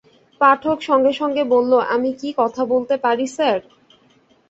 পাঠক সঙ্গে সঙ্গে বলল, আমি কি কথা বলতে পারি স্যার?